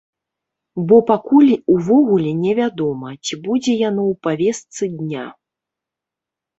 Бо пакуль увогуле не вядома, ці будзе яно ў павестцы дня.